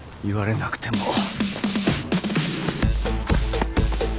言われなくても。